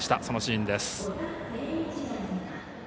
そのシーンです。